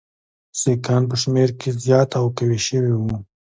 سیکهان په شمېر کې زیات او قوي شوي وو.